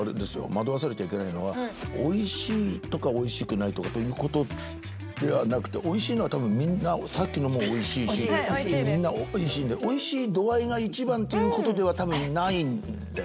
惑わされちゃいけないのはおいしいとかおいしくないとかということではなくておいしいのはたぶんみんなさっきのもおいしいしみんなおいしいんでおいしい度合いが一番ということではたぶんないんだよね。